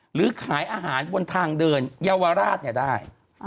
หรือขายอาหารบนทางเดินเยาวราชได้